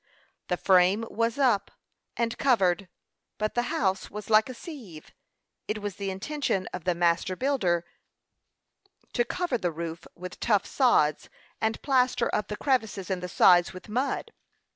The frame was up, and covered, but the house was like a sieve. It was the intention of the master builder to cover the roof with tough sods, and plaster up the crevices in the sides with mud.